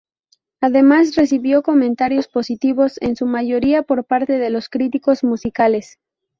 Además recibió comentarios positivos en su mayoría por parte de los críticos musicales.